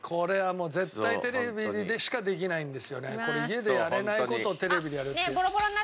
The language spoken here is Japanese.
これ家でやれない事をテレビでやるっていう。